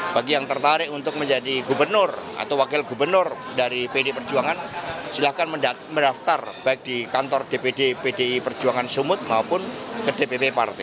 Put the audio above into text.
bagi yang tertarik untuk menjadi gubernur atau wakil gubernur dari pd perjuangan silahkan mendaftar baik di kantor dpd pdi perjuangan sumut maupun ke dpp partai